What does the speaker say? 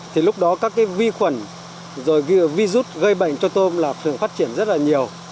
thì lúc đó các vi khuẩn rồi vi rút gây bệnh cho tôm là thường phát triển rất là nhiều